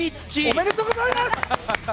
おめでとうございます！